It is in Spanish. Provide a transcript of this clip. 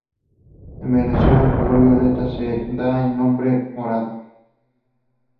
En Venezuela el color violeta se le da el nombre morado.